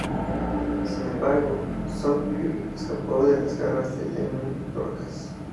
Sin embargo, Songbird escapó de las garras de Lemuel Dorcas.